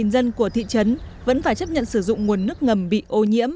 một mươi dân của thị trấn vẫn phải chấp nhận sử dụng nguồn nước ngầm bị ô nhiễm